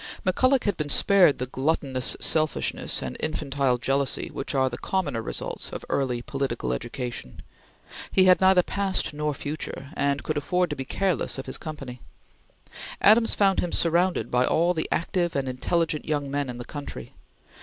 McCulloch had been spared the gluttonous selfishness and infantile jealousy which are the commoner results of early political education. He had neither past nor future, and could afford to be careless of his company. Adams found him surrounded by all the active and intelligent young men in the country.